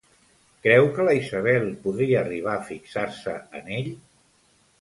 Creu que la Isabel podria arribar a fixar-se en ell?